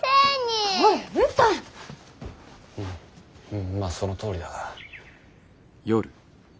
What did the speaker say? うんまぁそのとおりだが。